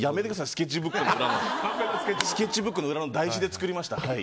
スケッチブックの裏の台紙で作りました。